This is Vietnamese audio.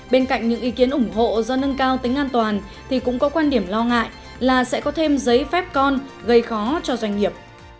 bên cạnh những ý kiến ủng hộ do nâng cao tính an toàn thì cũng có quan điểm lo ngại là sẽ có thêm giấy phép con gây khó cho doanh nghiệp